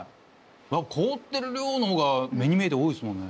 凍ってる量の方が目に見えて多いっすもんね。